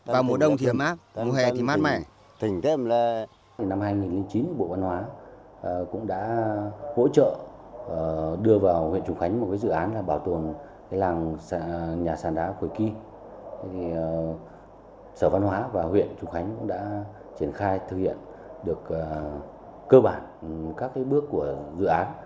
vì sở văn hóa và huyện trùng khánh cũng đã triển khai thực hiện được cơ bản các bước của dự án